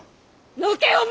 のけお万！